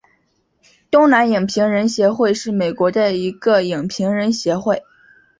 东南影评人协会是美国的一个影评人协会。